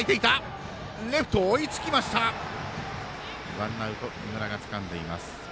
ワンアウト木村がつかんでいます。